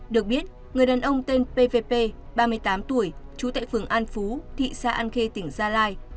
được biết người đàn ông tên pvp ba mươi tám tuổi trú tại phường an phú thị xã an khê tỉnh gia lai